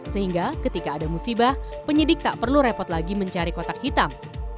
sehingga ketika ada musibah penyidik tak perlu repot lagi mencari kotak hitam